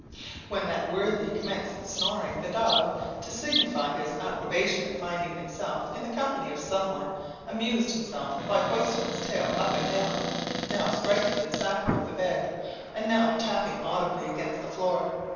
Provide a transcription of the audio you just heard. When that worthy commenced snoring, the dog, to signify his approbation at finding himself in the company of some one, amused himself by hoisting his tail up and down; now striking the sacking of the bed, and now tapping audibly against the floor.